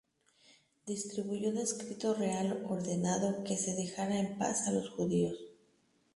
Distribuyó un escrito real ordenando que se dejara en paz a los judíos.